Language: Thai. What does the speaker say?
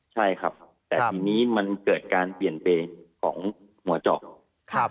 ใช่ครับแต่ทีนี้มันเกิดการเปลี่ยนเปลี่ยนของหัวเจาะ